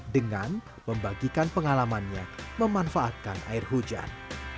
dengan membagikan pengalamannya memanfaatkan air hujan